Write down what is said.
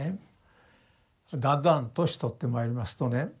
だんだん年取ってまいりますとね